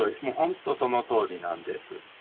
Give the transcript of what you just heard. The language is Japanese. もうほんとそのとおりなんです。